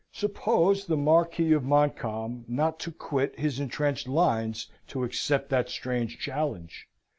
Suppose the Marquis of Montcalm not to quit his entrenched lines to accept that strange challenge?